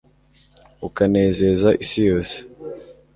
ukanezeza isi yose